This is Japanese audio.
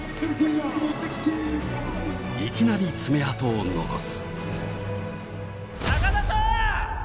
いきなり爪痕を残す